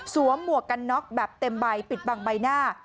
หมวกกันน็อกแบบเต็มใบปิดบังใบหน้า